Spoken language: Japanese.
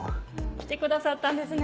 来てくださったんですね。